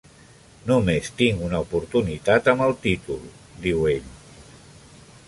"Només tinc una oportunitat amb el títol", diu ell.